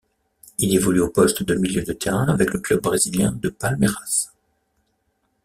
Il évolue au poste de milieu de terrain avec le club brésilien de Palmeiras.